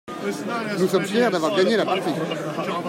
Nous sommes fiers d'avoir gagné la partie.